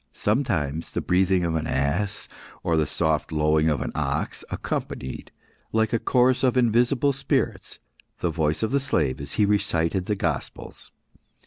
Sometimes the breathing of an ass, or the soft lowing of an ox, accompanied, like a chorus of invisible spirits, the voice of the slave as he recited the gospels.